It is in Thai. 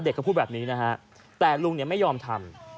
เขาพูดแบบนี้นะฮะแต่ลุงเนี่ยไม่ยอมทำ